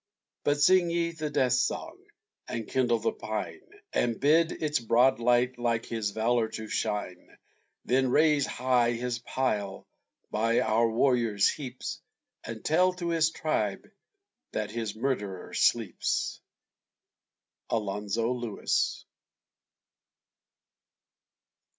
But sing ye the Death Song, and kindle the pine, And bid its broad light like his valor to shine; Then raise high his pile by our warriors' heaps, And tell to his tribe that his murderer sleeps. ALONZO LEWIS.